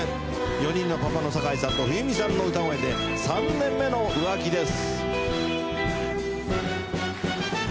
４人のパパの酒井さんと冬美さんの歌声で『３年目の浮気』です。